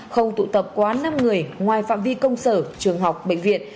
không tụ tập quá năm người ngoài phạm vi công sở trường học bệnh viện